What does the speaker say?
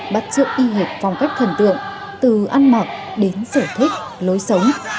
bắt chước y hiệp phong cách thần tượng từ ăn mặc đến sở thích lối sống